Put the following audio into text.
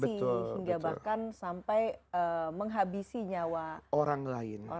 tapi hingga bahkan sampai menghabisi nyawa orang lain